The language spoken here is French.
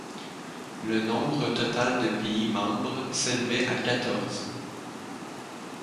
Le nombre total de pays membres s'élevait à quatorze.